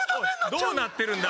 どうなってるんだ？